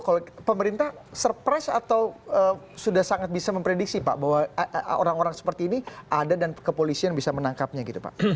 kalau pemerintah surprise atau sudah sangat bisa memprediksi pak bahwa orang orang seperti ini ada dan kepolisian bisa menangkapnya gitu pak